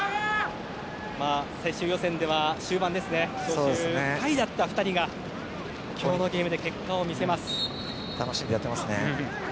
最終予選では終盤招集外だった２人が今日のゲームで結果を見せます。